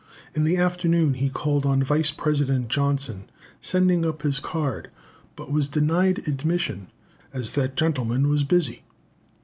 In the afternoon he called on Vice President Johnson, sending up his card, but was denied admission, as that gentleman was busy.